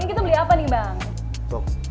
kita beli apa nih bang